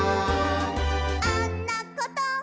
「あんなこと」